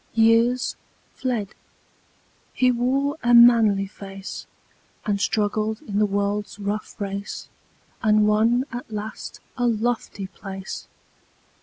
Years fled; he wore a manly face, And struggled in the world's rough race, And won at last a lofty place.